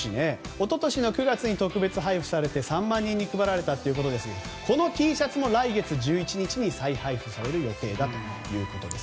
一昨年の９月に特別配布されて３万人に配られたということですがこのＴシャツも来月１１日に再配布される予定だということです。